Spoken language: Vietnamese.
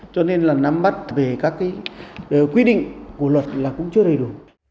cho nên là nắm bắt về các quy định của luật là cũng chưa đầy đủ